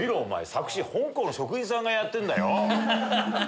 作詞本校の職員さんがやってんだよ？